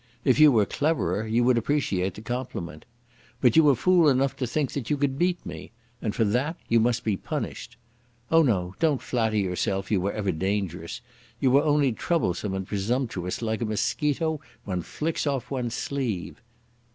If you were cleverer you would appreciate the compliment. But you were fool enough to think you could beat me, and for that you must be punished. Oh no, don't flatter yourself you were ever dangerous. You were only troublesome and presumptuous like a mosquito one flicks off one's sleeve."